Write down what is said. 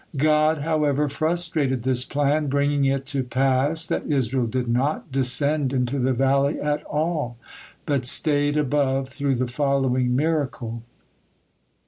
God, however, frustrated this plan, bringing it to pass that Israel did not descend into the valley at all, but stayed above, through the following miracle.